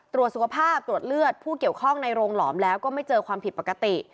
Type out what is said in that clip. ตรวจสุขภาพตรวจเลือดผู้เกี่ยวข้องในโรงหลอมแล้วก็ไม่เจอความผิดปกติ